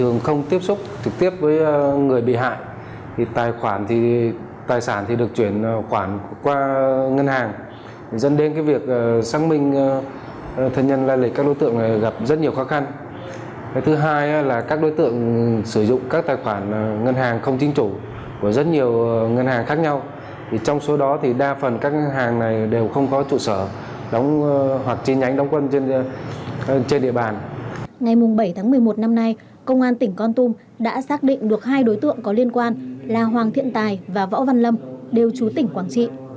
ngay mùng bảy tháng một mươi một năm nay công an tỉnh con tùng đã xác định được hai đối tượng có liên quan là hoàng thiện tài và võ văn lâm đều trú tỉnh quảng trị